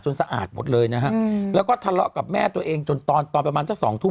สะอาดหมดเลยนะฮะแล้วก็ทะเลาะกับแม่ตัวเองจนตอนตอนประมาณสักสองทุ่ม